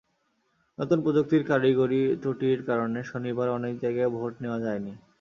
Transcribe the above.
নতুন প্রযুক্তির কারিগরি ত্রুটির কারণে শনিবার অনেক জায়গায় ভোট নেওয়া যায়নি।